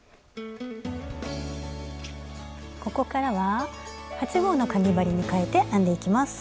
ここからは８／０号のかぎ針に変えて編んでいきます。